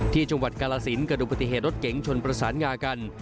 ที่จังหวัดกาลสินเกิดดูปฏิเหตุรถเก๋งชนประสานงากัน